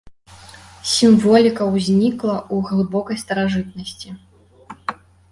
Сімволіка ўзнікла ў глыбокай старажытнасці.